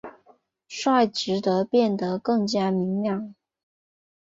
率直地变得更加明亮！